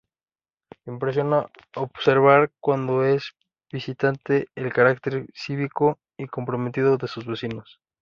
Impresiona observar, cuando se es visitante, el carácter cívico y comprometido de sus vecinos.